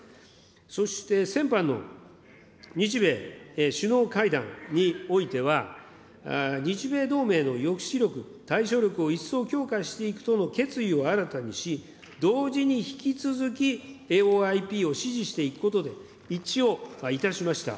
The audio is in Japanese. そして先般の日米首脳会談においては、日米同盟の抑止力、対処力を一層強化していくとの決意を新たにし、同時に引き続きＡＯＩＰを支持していくことで、一致をいたしました。